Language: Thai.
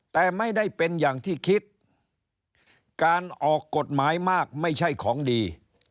แต่ไม่ได้เป็นอย่างที่คิดการออกกฎหมายมากไม่ใช่ของดี